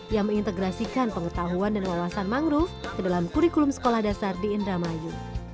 yang mengintegrasikan pengetahuan dan wawasan mangrove ke dalam kurikulum sekolah dasar di indramayu